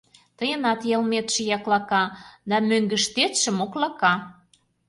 Тыйынат йылметше яклака да мӧҥгыштетше моклака...